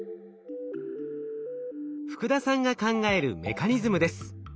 福田さんが考えるメカニズムです。